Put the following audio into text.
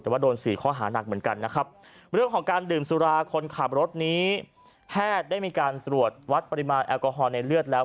แพทย์ได้มีการตรวจวัดปริมาณแอลกอฮอลในเลือดแล้ว